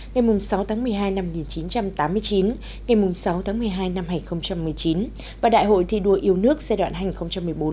ngày sáu tháng một mươi hai năm một nghìn chín trăm tám mươi chín ngày sáu tháng một mươi hai năm hai nghìn một mươi chín và đại hội thi đua yêu nước giai đoạn hai nghìn hai mươi hai nghìn hai mươi năm